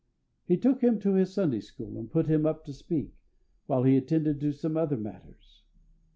He took him to his Sunday school, and put him up to speak, while he attended to some other matters.